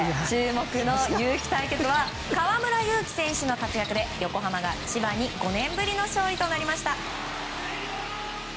注目のユウキ対決は河村勇輝選手の活躍で横浜が千葉に５年ぶりの勝利となりました。